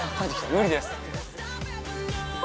◆無理でーす。